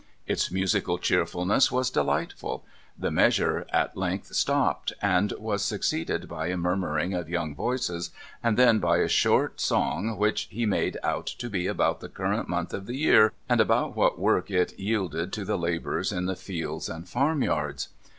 Its musical cheerfulness was delightful. The measure at length stopped, and was succeeded by a murmuring of young voices, and then by a short song which he made out to be about the current month of the year, and about what work it yielded to the labourers in the fields and farmyards.